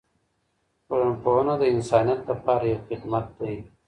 ټولنپوهنه د انسانیت لپاره یو خدمت دی.